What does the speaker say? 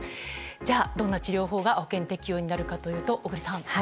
じゃあどんな治療法が保険適用になるかというと小栗さん。